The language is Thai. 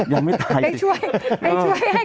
ยังไม่ตายจริง